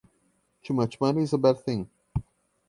Too much money is a bad thing.